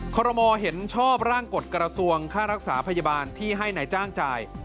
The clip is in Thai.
ขอรมอลเห็นชอบร่างกฎกระทรวงค่ารักษาพยาบาลที่ให้นายจ้างจ่าย